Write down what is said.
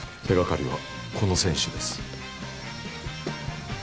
手掛かりはこの選手です。